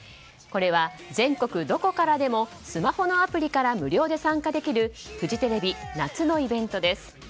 これは全国どこからでもスマホのアプリから無料で参加できるフジテレビ夏のイベントです。